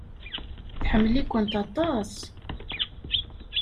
Tḥemmel-ikent aṭas.